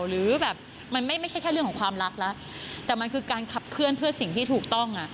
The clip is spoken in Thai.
หรือแบบมันไม่ใช่แค่เรื่องของความรักแล้วแต่มันคือการขับเคลื่อนเพื่อสิ่งที่ถูกต้องอ่ะ